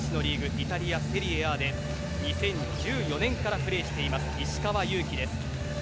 イタリア、セリエＡで２０１４年からプレーしています石川祐希です。